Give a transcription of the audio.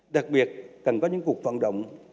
đặc biệt cần có những cuộc phận động